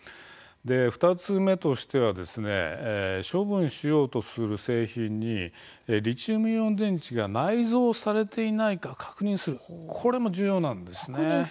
２つ目としては処分しようとする製品にリチウムイオン電池が内蔵されていないか確認するこれも重要なんです。